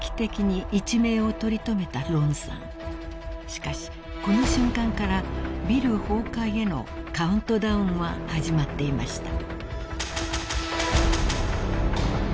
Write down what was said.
［しかしこの瞬間からビル崩壊へのカウントダウンは始まっていました］